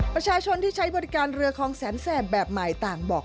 ประชาชนที่ใช้บริการเรือคลองแสนแสบแบบใหม่ต่างบอก